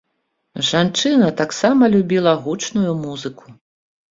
Жанчына таксама любіла гучную музыку.